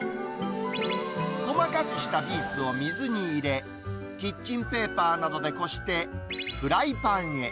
細かくしたビーツを水に入れ、キッチンペーパーなどでこしてフライパンへ。